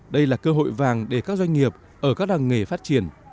đây là cơ hội vàng để các doanh nghiệp ở các làng nghề phát triển